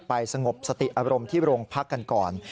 สงบสติอารมณ์ที่โรงพักกันก่อน